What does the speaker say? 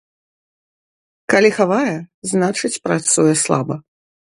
Калі хавае, значыць, працуе слаба.